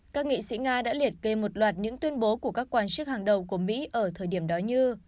các nghị sĩ nga đã liệt kê một loạt những tuyên bố của các quan chức hàng đầu của mỹ ở thời điểm đó như